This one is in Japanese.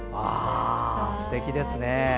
すてきですね。